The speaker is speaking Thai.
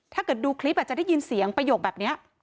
ถ้าเกิดดูคลิปอาจจะได้ยินเสียงประโยคแบบนี้